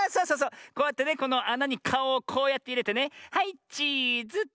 こうやってねこのあなにかおをこうやっていれてねはいチーズ。いやちがうちがうちがう。